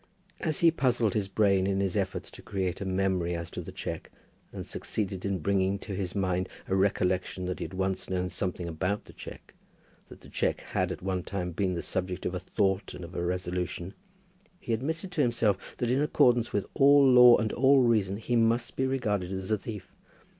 As he puzzled his brain in his efforts to create a memory as to the cheque, and succeeded in bringing to his mind a recollection that he had once known something about the cheque, that the cheque had at one time been the subject of a thought and of a resolution, he admitted to himself that in accordance with all law and all reason he must be regarded as a thief.